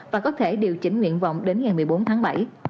và có thể điều chỉnh nguyện vọng đến ngày một mươi bốn tháng bảy